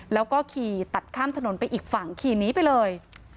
แล้วก็ขี่ตัดข้ามถนนไปอีกฝั่งขี่หนีไปเลย